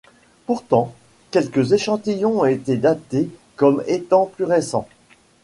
Pourtant, quelques échantillons ont été datés comme étant plus récents.